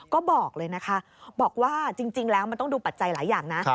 ก็บอกเลยนะคะบอกว่าจริงแล้วมันต้องดูปัจจัยหลายอย่างนะ